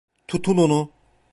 Tutun onu!